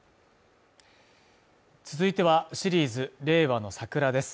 続いては、シリーズ「令和のサクラ」です。